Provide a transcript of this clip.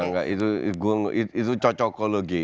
enggak itu cocokologi